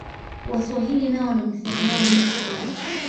waswahili nao wana misemo yao mingi sana